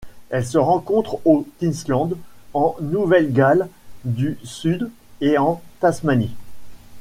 Elle se rencontre au Queensland, en Nouvelle-Galles du Sud et en Tasmanie.